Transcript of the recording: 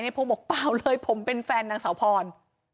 พงศ์บอกเปล่าเลยผมเป็นแฟนนางสาวพร